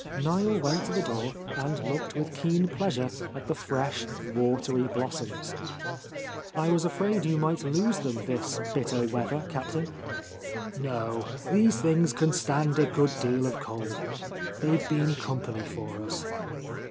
'' Niel went to the door and looked with keen —72— A Lost Lady pleasure at the fresh, watery blossoms. "I was afraid you might lose them this bitter weather, Captain." "No, these things can stand a good deal of cold. They've been company for us."